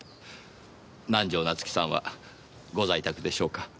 南条夏樹さんはご在宅でしょうか？